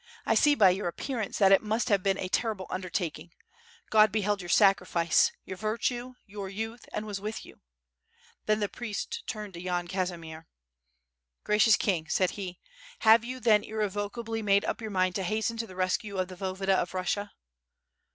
I see by your appear ance that it must have been a terrible undertaking. God be held your sacrifice, your virtue, your youth, and was with you." Then the priest turned to Yan Kazimier. "Gracious King," said he, 'Tiave you then irrevocably made up your mind to hasten to the rescue of the Voyevoda of Russia